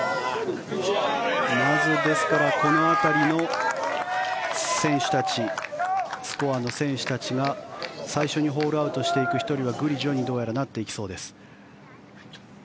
まず、ですからこの辺りの選手たちスコアの選手たちが最初にホールアウトしていく１人はグリジョにどうやらなっていきそうです。